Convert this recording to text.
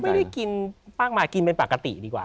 ไม่ได้กินป้างมากินเป็นปกติดีกว่า